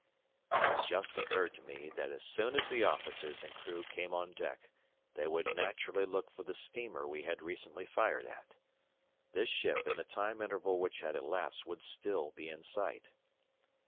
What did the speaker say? It had just occurred to me that as soon as the officers and crew came on deck they would naturally look for the steamer we had recently fired at; this ship in the time interval which had elapsed would still be in sight.